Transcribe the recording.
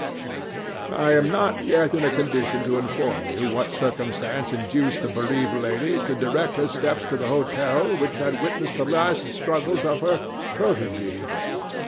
I am not yet in a condition to inform you what circumstance induced the bereaved lady to direct her steps to the hotel which had witnessed the last struggles of her protégé.